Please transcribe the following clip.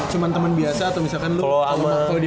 cuman temen biasa atau misalkan lu kalau dia